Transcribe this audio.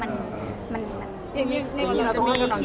อย่างนี้เราต้องให้กำลังใจยังไงบ้าง